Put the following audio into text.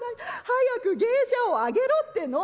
早く芸者を上げろっての」。